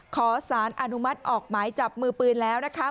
ขอสารอนุมัติออกหมายจับมือปืนแล้วนะคะ